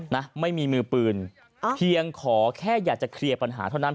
นะไม่มีมือปืนเพียงขอแค่อยากจะเคลียร์ปัญหาเท่านั้น